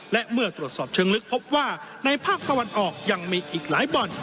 และเมื่อตรวจสอบเชิงลึกพบว่าในภาคตะวันออกยังมีอีกหลายบ่อน